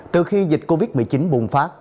từ khi dịch covid một mươi chín bùng phát